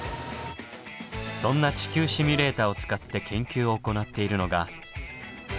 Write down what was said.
そんな「地球シミュレータ」を使って研究を行っているのが。